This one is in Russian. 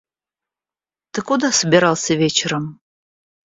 Ты куда собирался вечером?